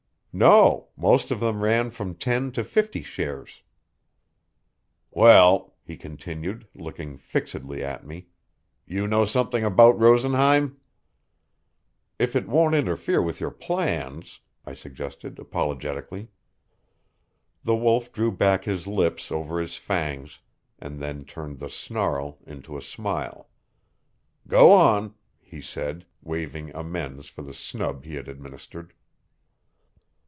"No most of them ran from ten to fifty shares." "Well," he continued, looking fixedly at me, "you know something about Rosenheim?" "If it won't interfere with your plans," I suggested apologetically. The Wolf drew back his lips over his fangs, and then turned the snarl into a smile. "Go on," he said, waving amends for the snub he had administered.